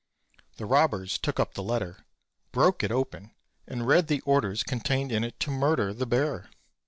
The robbers took up the letter, broke it open, and read the orders contained in it to murder the bearer.